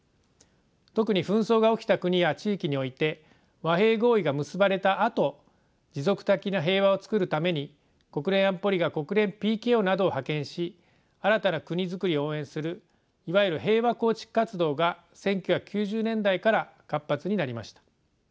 特に紛争が起きた国や地域において和平合意が結ばれたあと持続的な平和を作るために国連安保理が国連ＰＫＯなどを派遣し新たな国づくりを応援するいわゆる平和構築活動が１９９０年代から活発になりました。